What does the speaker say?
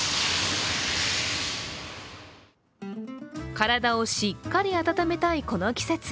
体をしっかり温めたいこの季節。